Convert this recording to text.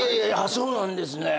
そうなんですね。